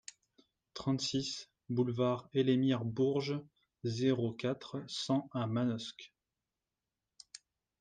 trente-six boulevard Elémir Bourges, zéro quatre, cent à Manosque